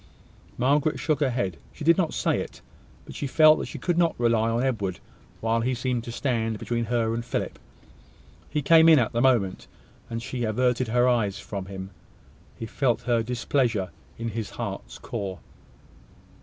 Margaret shook her head. She did not say it, but she felt that she could not rely on Edward, while he seemed to stand between her and Philip. He came in at the moment, and she averted her eyes from him. He felt her displeasure in his heart's core.